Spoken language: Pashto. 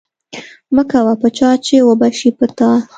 مکوه په چا چې وبه شي په تا.